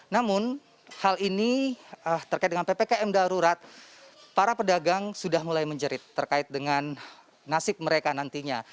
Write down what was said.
namun hal ini terkait dengan ppkm darurat para pedagang sudah mulai menjerit terkait dengan nasib mereka nantinya